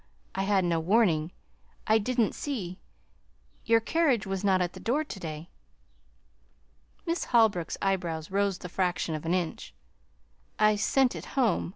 I had no warning I didn't see Your carriage was not at the door to day." Miss Holbrook's eyebrows rose the fraction of an inch. "I sent it home.